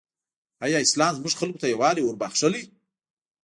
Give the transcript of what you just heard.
ایا اسلام زموږ خلکو ته یووالی وروباخښلی؟